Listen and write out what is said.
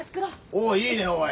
おういいねおい。